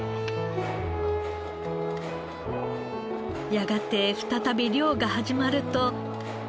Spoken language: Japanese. やがて再び漁が始まると。